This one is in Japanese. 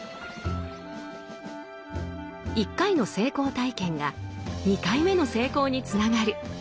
１回の成功体験が２回目の成功につながる。